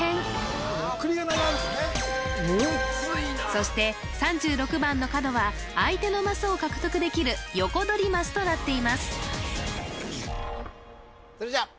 そして３６番の角は相手のマスを獲得できるヨコドリマスとなっています鶴ちゃん